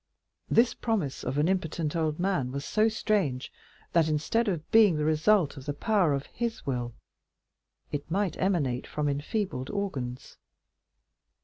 This promise of an impotent old man was so strange that, instead of being the result of the power of his will, it might emanate from enfeebled organs.